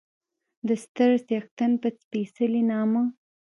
د ستر څښتن په سپېڅلي نامه